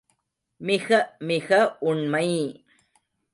மிக மிக உண்மை!